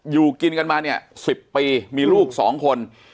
อยู่กินกันมา๑๐ปีมีลูก๒คน